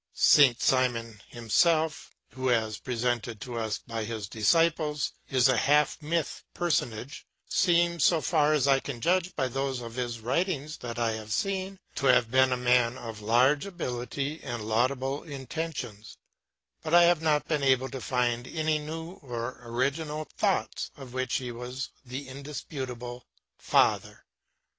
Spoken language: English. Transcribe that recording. Saint Simon himself, who as presented to us by his disciples is a half mythic personage, seems, so far as I can judge by those of his writings that I have seen, to have been a man of large ability and laudable intentions; but I have not been able to find any new or original thoughts of which he was the indisputable father.